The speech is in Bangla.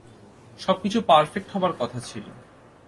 সবকিছু পার্ফেক্ট হবার কথা ছিল।